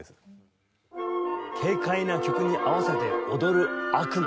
軽快な曲に合わせて踊る悪魔。